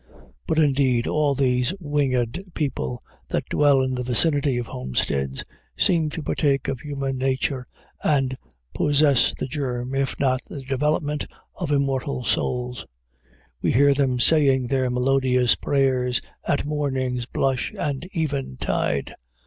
But, indeed, all these winged people that dwell in the vicinity of homesteads seem to partake of human nature and possess the germ, if not the development, of immortal souls. We hear them saying their melodious prayers at morning's blush and eventide.